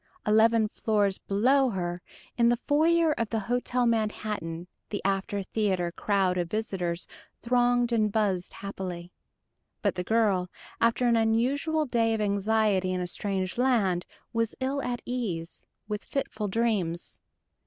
Eleven floors below her, in the foyer of the Hotel Manhattan, the after theater crowd of visitors thronged and buzzed happily. But the girl, after an unusual day of anxiety in a strange land, was ill at ease, with fitful dreams.